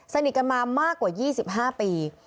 สนิทกันมามากกว่า๒๕ปี